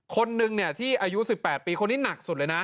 คนหนึ่งที่อายุ๑๘ปีคนนี้หนักสุดเลยนะ